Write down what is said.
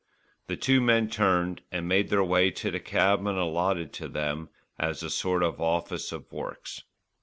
The two men turned and made their way to the cabin allotted to them as a sort of office of works.